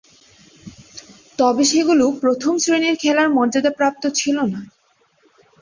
তবে সেগুলো প্রথম-শ্রেণীর খেলার মর্যাদাপ্রাপ্ত ছিল না।